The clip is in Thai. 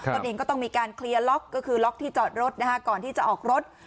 ตนเองก็ต้องมีการเคลียร์ล็อกก็คือล็อกที่จอดรถก่อนที่จะออกรถ